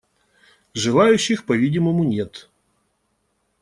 Желающих, по-видимому, нет.